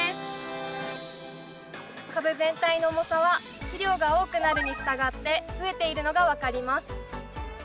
株全体の重さは肥料が多くなるにしたがって増えているのが分かります。